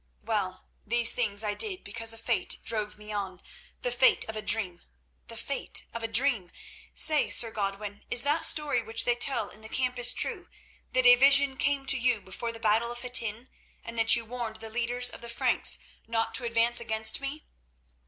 Well, these things I did because a fate drove me on—the fate of a dream, the fate of a dream. Say, Sir Godwin, is that story which they tell in the camps true, that a vision came to you before the battle of Hattin, and that you warned the leaders of the Franks not to advance against me?"